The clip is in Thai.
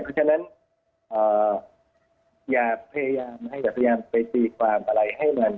เพราะฉะนั้นอย่าพยายามไปตีความอะไร